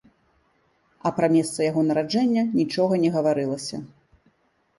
А пра месца яго нараджэння нічога не гаварылася.